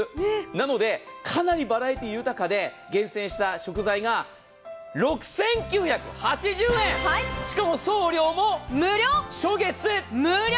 なので、かなりバラエティー豊かで厳選した食材が６９８０円、しかも送料も無料、初月無料。